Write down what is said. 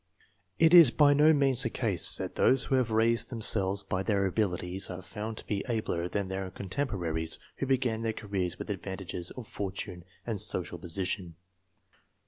It is by no means the case that those who have raised themselves by their abilities are found to be abler than their contemporaries who began their careers with advantages of fortune and social position.